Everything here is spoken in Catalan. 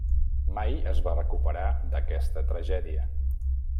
Mai es va recuperar d'aquesta tragèdia.